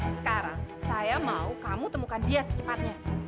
sekarang saya mau kamu temukan dia secepatnya